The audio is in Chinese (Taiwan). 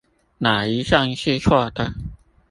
哪一項是錯的？